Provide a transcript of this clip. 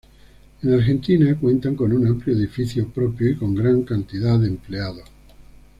En Argentina cuenta con un amplio edificio propio y con gran cantidad de empleados.